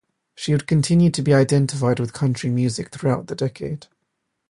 She would continue to be identified with country music throughout the decade.